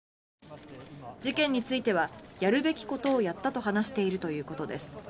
事件についてはやるべきことをやったと話しているということです。